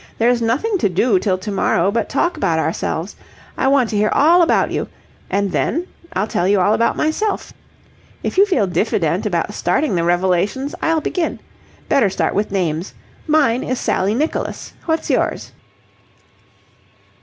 There's nothing to do till to morrow but talk about ourselves. I want to hear all about you, and then I'll tell you all about myself. If you feel diffident about starting the revelations, I'll begin. Better start with names. Mine is Sally Nicholas. What's yours?"